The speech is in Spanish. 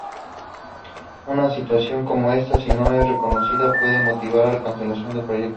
Una situación como esta, si no es reconocida, puede motivar la cancelación del proyecto.